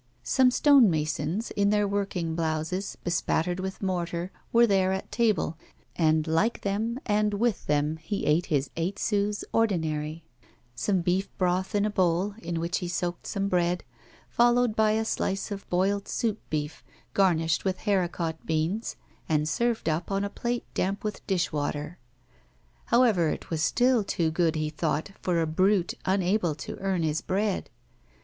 Some stonemasons, in their working blouses, bespattered with mortar, were there at table, and, like them, and with them, he ate his eight sous' 'ordinary' some beef broth in a bowl, in which he soaked some bread, followed by a slice of boiled soup beef, garnished with haricot beans, and served up on a plate damp with dish water. However, it was still too good, he thought, for a brute unable to earn his bread.